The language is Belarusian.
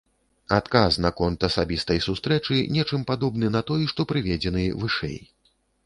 Адказ наконт асабістай сустрэчы нечым падобны на той, што прыведзены вышэй.